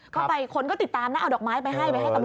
เข้าไปคนก็ติดตามนะเอาดอกไม้ไปให้ไปให้กำลังกาย